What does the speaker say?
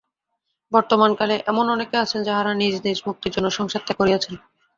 বর্তমানকালে এমন অনেকে আছেন, যাঁহারা নিজ নিজ মুক্তির জন্য সংসার ত্যাগ করিয়াছেন।